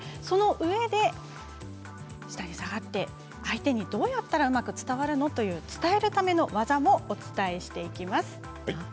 そのうえで、相手にどうやったらうまく伝わるの？という伝えるための技もお伝えしていきます。